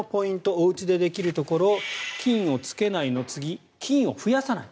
おうちでできるところ菌をつけないの次菌を増やさない。